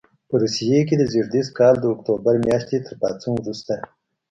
په روسیې کې د زېږدیز کال د اکتوبر میاشتې تر پاڅون وروسته.